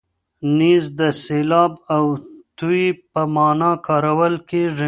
نیز د سیلاب او توی په مانا کارول کېږي.